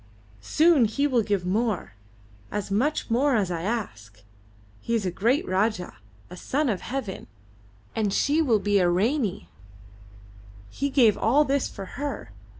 Soon he will give more as much more as I ask. He is a great Rajah a Son of Heaven! And she will be a Ranee he gave all this for her!